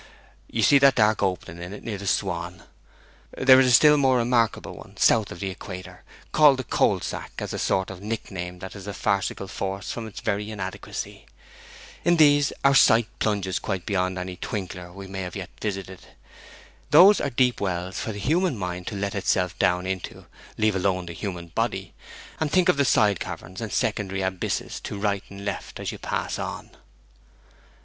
'You see that dark opening in it near the Swan? There is a still more remarkable one south of the equator, called the Coal Sack, as a sort of nickname that has a farcical force from its very inadequacy. In these our sight plunges quite beyond any twinkler we have yet visited. Those are deep wells for the human mind to let itself down into, leave alone the human body! and think of the side caverns and secondary abysses to right and left as you pass on!'